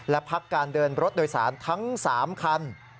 และพักการเดินรถโดยสารทั้ง๓คัน